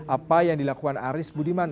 apa yang dilakukan aris budiman